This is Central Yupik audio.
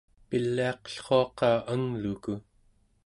piliaqellruaqa angluku